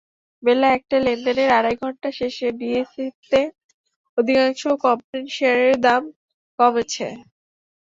বেলা একটায় লেনদেনের আড়াই ঘণ্টা শেষে ডিএসইতে অধিকাংশ কোম্পানির শেয়ারের দাম কমেছে।